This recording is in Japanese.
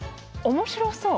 面白そう！